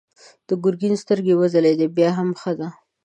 د ګرګين سترګې وځلېدې: بيا هم ښه ده.